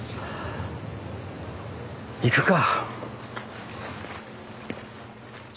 行くか。